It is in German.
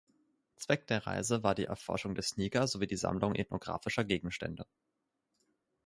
Zweck der Reise war die Erforschung des Niger sowie die Sammlung ethnographischer Gegenstände.